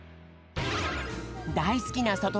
だいすきなそと